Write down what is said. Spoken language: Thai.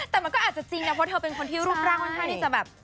แต่มันก็อาจจะจริงนะเพราะเธอเป็นคนที่รูปร่างค่อนข้างที่จะแบบ